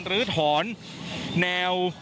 หรือถอนแนว